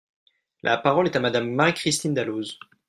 La parole est à Madame Marie-Christine Dalloz.